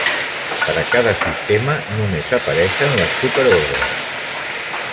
Per a cada sistema, només apareixen les superordres.